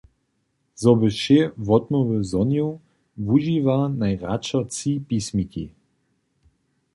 Zo by wšě wotmołwy zhonił, wužiwa najradšo tři pismiki.